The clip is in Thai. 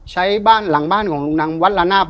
ใช้หลังบ้านของลูกนางวัดระนาบ